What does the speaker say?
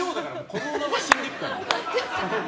このまま死んでいくからね。